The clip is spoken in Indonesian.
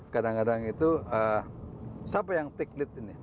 kadang kadang itu siapa yang take lead ini